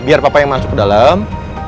biar papa yang masuk ke dalam